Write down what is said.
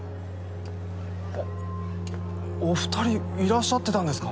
あっお２人いらっしゃってたんですか？